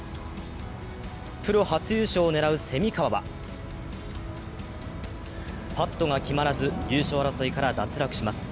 プロ初優勝を狙う蝉川は、パットが決まらず、優勝争いから脱落します。